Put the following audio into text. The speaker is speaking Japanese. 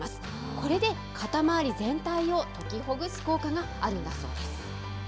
これで肩周り全体を解きほぐす効果があるんだそうです。